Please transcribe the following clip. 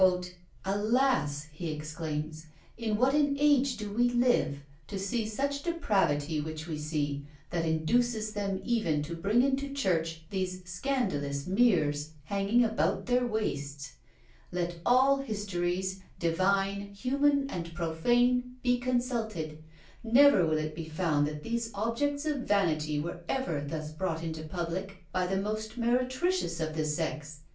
"Alas! (he exclaims) in what an age do we live: to see such depravity which we see, that induces them even to bring into church these scandalous mirrors hanging about their waists! Let all histories, divine, human, and profane, be consulted; never will it be found that these objects of vanity were ever thus brought into public by the most meretricious of the sex.